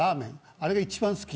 あれが一番好き。